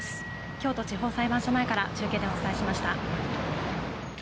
京都地方裁判所前から中継でお伝えしました。